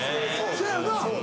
そやよな。